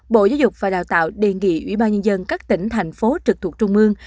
bộ giáo dục và đào tạo đề nghị ubnd các tỉnh thành phố trực thuộc trung ương